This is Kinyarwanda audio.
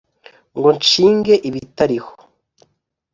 Ngo nshinge ibitariho